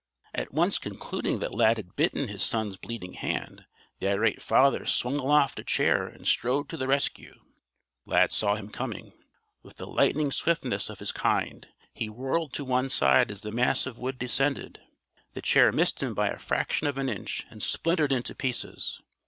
At once concluding that Lad had bitten his son's bleeding hand, the irate father swung aloft a chair and strode to the rescue. Lad saw him coming. With the lightning swiftness of his kind he whirled to one side as the mass of wood descended. The chair missed him by a fraction of an inch and splintered into pieces.